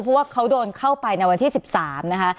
เพราะว่าเขาโดนเข้าไปในวันที่๑๓นะคะ